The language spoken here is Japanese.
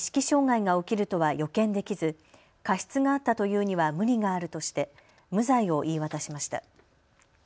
障害が起きるとは予見できず過失があったというには無理があるとして無罪を言い渡しました。